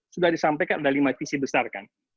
sudah disampaikan ada lima visi besar kan